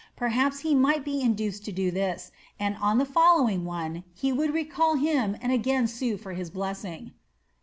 Perhaps he might be induced to do this, and on the following one he would recall him and again sue for his blessing.